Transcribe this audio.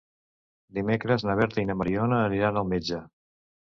Dimecres na Berta i na Mariona aniran al metge.